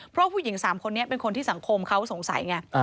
เพราะผู้หญิง๓คนนี้เป็นคนที่สังคมเขาสงสัยไง